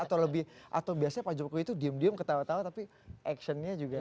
atau lebih atau biasanya pak jokowi itu diem diem ketawa tawa tapi actionnya juga